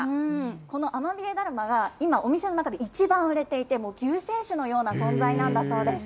このアマビエだるまが今、お店の中で一番売れていて、救世主のような存在なんだそうです。